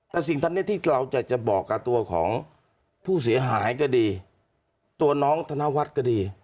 แต่สิ่งท่านนี้ที่เราจะบอกกับตัวของผู้เสียหายก็ดีตัวน้องธนวัฒน์ก็ดี